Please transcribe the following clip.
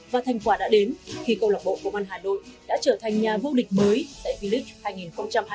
và thành quả đã đến khi công lạc bộ công an hà nội đã trở thành nhà vô địch mới tại village hai nghìn hai mươi ba